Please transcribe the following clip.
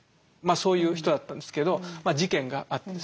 そういう人だったんですけど事件があってですね